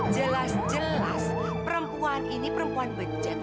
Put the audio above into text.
jelas jelas perempuan ini perempuan becet